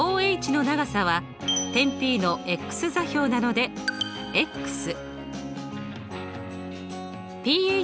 ＰＨの長さは点Ｐの座標なのでです。